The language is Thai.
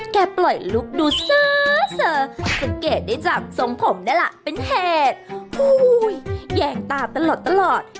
แกปล่อยลูกดูซ่าซ่าสังเกตได้จากทรงผมนั่นแหละเป็นแห่งตาตลอดตลอด